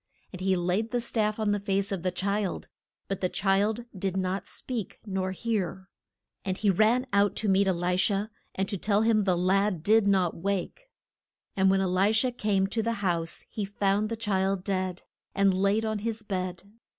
And he laid the staff on the face of the child, but the child did not speak nor hear. And he ran out to meet E li sha and to tell him the lad did not wake. And when E li sha came to the house he found the child dead, and laid on his bed.